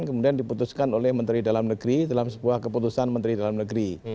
kemudian diputuskan oleh menteri dalam negeri dalam sebuah keputusan menteri dalam negeri